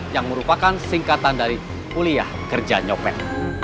yang merupakan singkatan dari kuliah kerja nyopet